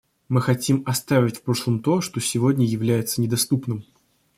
Мы хотим оставить в прошлом то, что сегодня является недоступным.